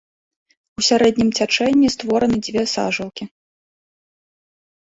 У сярэднім цячэнні створаны дзве сажалкі.